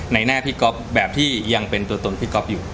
ในหน้าพี่ก๊อฟแบบที่ยังเป็นตัวตนพี่ก๊อฟอยู่